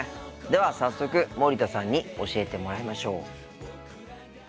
では早速森田さんに教えてもらいましょう。